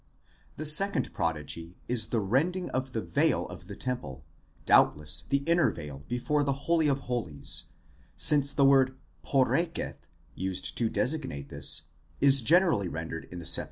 The second prodigy is the rending of the veil of the temple, doubtless the inner veil before the Holy of Holies, since the word 1378, used to designate this, is generally rendered in the LXX.